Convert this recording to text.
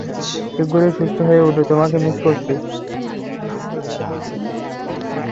শীঘ্রই সুস্থ হয়ে উঠো, তোমাকে মিস করছি!